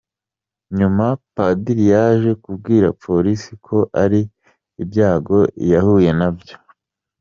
Nyuma padiri yaje kubwira polisi ko ari ibyago yahuye nabyo.